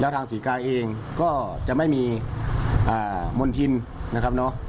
ทางศรีกาเองก็จะไม่มีมณฑินนะครับ